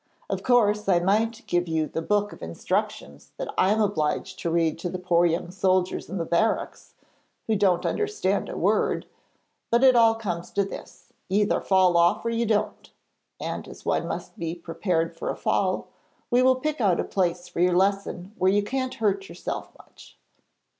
'Of course, I might give you the book of instructions that I am obliged to read to the poor young soldiers in the barracks, who don't understand a word; but it all comes to this you either fall off or you don't. And as one must be prepared for a fall, we will pick out a place for your lesson where you can't hurt yourself much.'